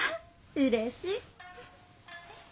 うれしい。